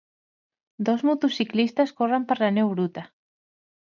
Dos motociclistes corren per la neu bruta.